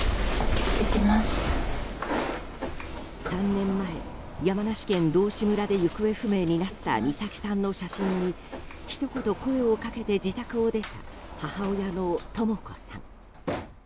３年前、山梨県道志村で行方不明になった美咲さんの写真にひと言、声をかけて自宅を出た母親のとも子さん。